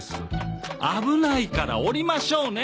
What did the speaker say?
危ないから下りましょうね。